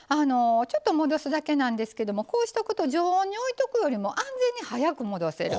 ちょっと戻すだけなんですけどもこうしとくと常温に置いとくよりも安全に早く戻せる。